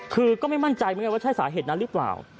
คือก็ไม่มั่นใจว่าใช่สาเหตุนั้นหรือเปล่า